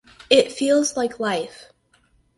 It feels like life.